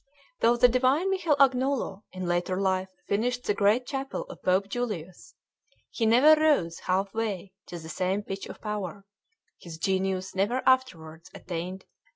Though the divine Michel Agnolo in later life finished that great chapel of Pope Julius, he never rose half way to the same pitch of power; his genius never afterwards attained to the force of those first studies.